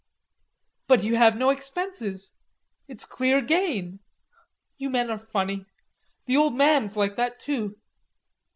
"But you have no expenses.... It's clear gain.... You men are funny. The old man's like that too....